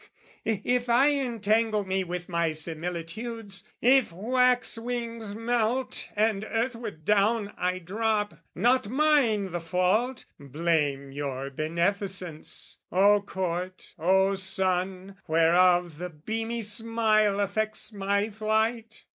If I entangle me With my similitudes, if wax wings melt, And earthward down I drop, not mine the fault: Blame your beneficence, O Court, O sun, Whereof the beamy smile affects my flight!